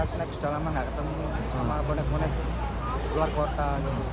snack sudah lama nggak ketemu sama bonek bonek luar kota